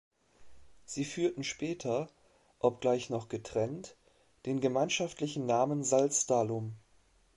Sie führten später, obgleich noch getrennt, den gemeinschaftlichen Namen Salzdahlum.